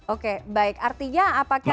oke baik artinya apakah